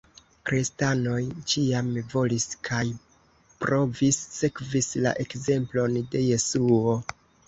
Kristanoj ĉiam volis kaj provis sekvis la ekzemplon de Jesuo.